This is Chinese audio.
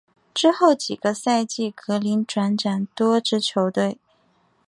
之后几个赛季格林转辗多支球队。